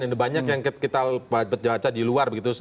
ini banyak yang kita baca di luar begitu